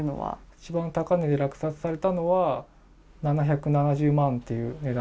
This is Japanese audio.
一番高値で落札されたのは、７７０万っていう値段。